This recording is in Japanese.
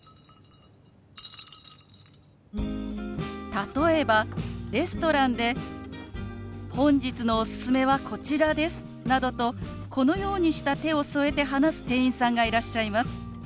例えばレストランで「本日のおすすめはこちらです」などとこのようにした手を添えて話す店員さんがいらっしゃいます。